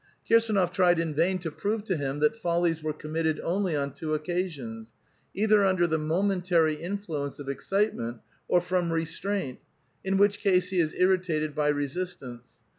Kirs^nof tried in vain to prove to him that follies were committed only on two occasions, — either under the momentary influence of excite ment, or from restraint, in which case he is iiTitated by re sistance.